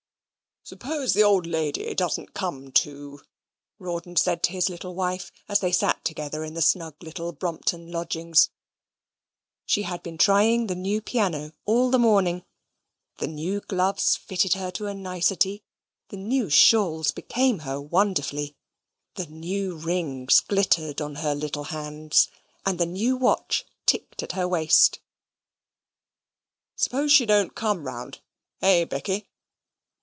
"Suppose the old lady doesn't come to," Rawdon said to his little wife, as they sate together in the snug little Brompton lodgings. She had been trying the new piano all the morning. The new gloves fitted her to a nicety; the new shawls became her wonderfully; the new rings glittered on her little hands, and the new watch ticked at her waist; "suppose she don't come round, eh, Becky?"